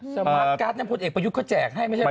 สมาร์ทการ์ดนั้นพลเอกประยุทธ์เขาแจกให้ไม่ใช่